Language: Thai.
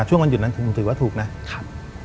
ช่วงวันหยุดนั้นผมถือว่าถูกนะครับ